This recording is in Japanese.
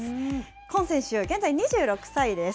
今選手、現在２６歳です。